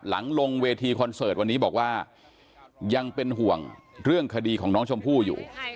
หลังลงเวทีคอนเสิร์ตวันนี้บอกว่ายังเป็นห่วงเรื่องคดีของน้องชมพู่อยู่